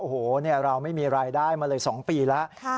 โอ้โหเราไม่มีรายได้มาเลย๒ปีแล้ว